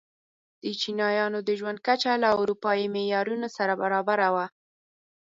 د چینایانو د ژوند کچه له اروپايي معیارونو سره برابره وه.